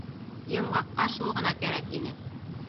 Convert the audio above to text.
Йомғаҡҡа шул ғына кәрәк ине.